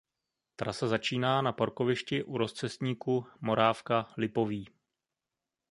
Trasa začíná na parkovišti u rozcestníku "Morávka–Lipový".